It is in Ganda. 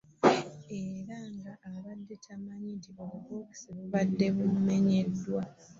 Era ng'abadde tamanyi nti obubookisi bubadde bwamenyeddwa